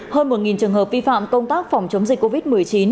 hơn một trường hợp vi phạm công tác phòng chống dịch covid một mươi chín